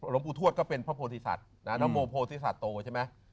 หลวงปู่ทวดก็เป็นพระโภทธิษัทลูกโภทธิษัทโตใช่มั้ย